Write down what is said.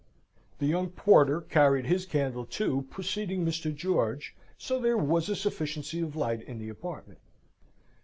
The young porter carried his candle, too, preceding Mr. George, so there was a sufficiency of light in the apartment.